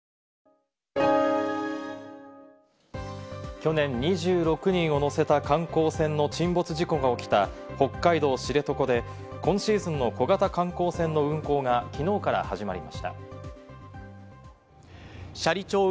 去年、２６人を乗せた観光船の沈没事故が起きた北海道・知床で今シーズンの小型観光船の運航が昨日から始まりました。